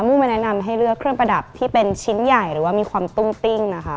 ไม่แนะนำให้เลือกเครื่องประดับที่เป็นชิ้นใหญ่หรือว่ามีความตุ้งติ้งนะคะ